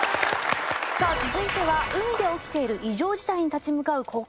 さあ続いては海で起きている異常事態に立ち向かう高校生です。